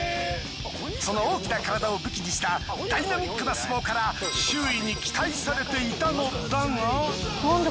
その大きな体を武器にしたダイナミックな相撲から周囲に期待されていたのだが。